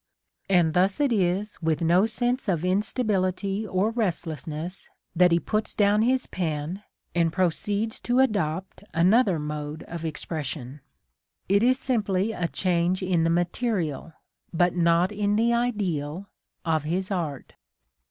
And thus it is with no sense of instability or restlessness that he puts down his pen, and proceeds to adopt another mode of expression. It is simply a change in the material, but not in the ideal, of his art.